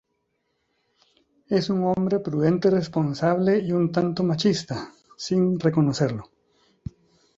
Es un hombre prudente, responsable y un tanto machista, sin reconocerlo.